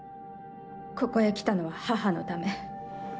ここへ来たのは母のため。